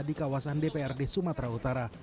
di kawasan dprd sumatera utara